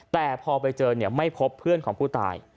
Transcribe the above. แต่พอไปเจอไม่พบเพื่อนของผู้ตาย